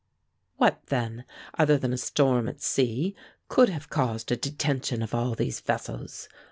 "What, then, other than a storm at sea could have caused a detention of all these vessels?"